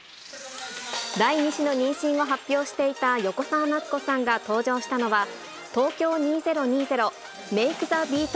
第２子の妊娠を発表していた横澤夏子さんが登場したのは、Ｔｏｋｙｏ２０２０ＭａｋｅＴｈｅＢｅａｔ！